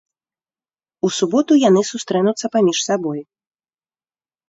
У суботу яны сустрэнуцца паміж сабой.